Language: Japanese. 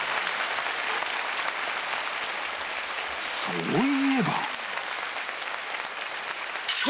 そういえば